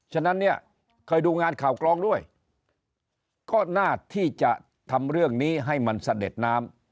ฉะนั้นเนี่ยเคยดูงานข่าวกรองด้วยก็น่าที่จะทำเรื่องนี้ให้มันเสด็จน้ำ